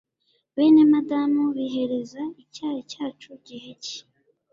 Bene madamu bihereza icyayi cyacu gihe ki